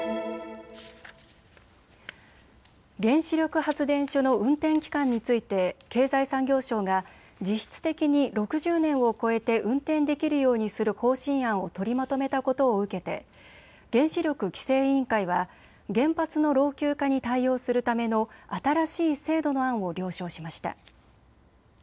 原子力発電所の運転期間について経済産業省が実質的に６０年を超えて運転できるようにする方針案を取りまとめたことを受けて原子力規制委員会は原発の老朽化に対応するための新しい制度の案を了承しました。